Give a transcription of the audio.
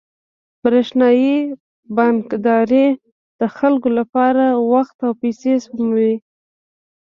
برېښنايي بانکداري د خلکو لپاره وخت او پیسې سپموي.